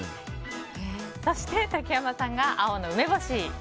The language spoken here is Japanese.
そして、竹山さんが青の梅干し。